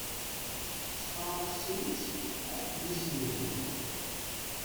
Ttfarasen-tt akken i asen-yehwa.